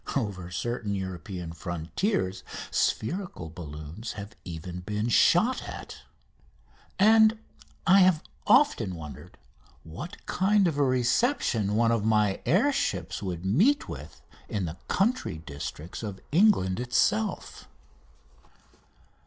Over certain European frontiers spherical balloons have even been shot at. And I have often wondered what kind of a reception one of my air ships would meet with in the country districts of England itself.